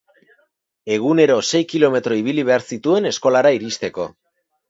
Egunero sei kilometro ibili behar zituen eskolara iristeko.